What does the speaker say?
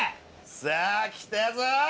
さあ来たぞ。